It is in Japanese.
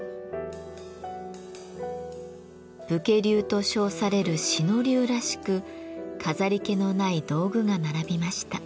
「武家流」と称される志野流らしく飾り気のない道具が並びました。